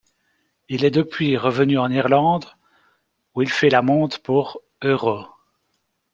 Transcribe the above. Il est depuis revenu en Irlande, où il fait la monte pour €.